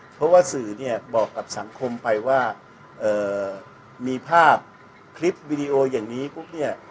เพราะว่าสื่อเนี่ยบอกกับสังคมไปว่ามีภาพคลิปวิดีโออย่างนี้ปุ๊บเนี่ย